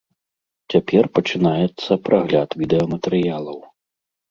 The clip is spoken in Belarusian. Цяпер пачынаецца прагляд відэаматэрыялаў.